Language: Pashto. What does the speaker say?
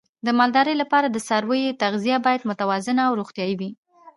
د مالدارۍ لپاره د څارویو تغذیه باید متوازنه او روغتیايي وي.